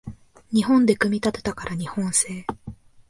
日本で組み立てたから日本製